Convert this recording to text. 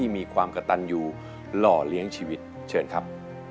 มีความกระตันอยู่หล่อเลี้ยงชีวิตเชิญครับ